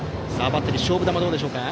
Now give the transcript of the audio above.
バッテリー勝負球はどうでしょうか。